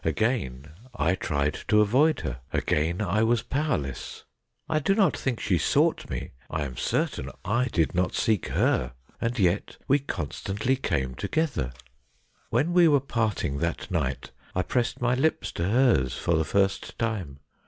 Again I tried to avoid her — again I was powerless. I do not think she sought me ; I am certain I did not seek her, and yet we constantly came together. 124 STORIES WEIRD AND WONDERFUL When we were parting that night I pressed my lips to hers for the first time.